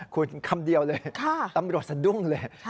คุณคำเดียวเลยตำรวจสะดุ้งเลย